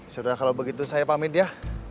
sudah kalau begitu saya pamit ya